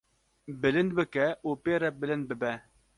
bilind bike û pê re bilind bibe.